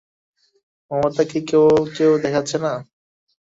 মমতা কি কেউ-কেউ দেখাচ্ছে না?